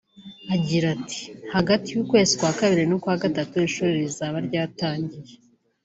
Agira ati “Hagati y’ukwezi kwa kabiri n’ukwa gatatu ishuri rizaba ryatangiye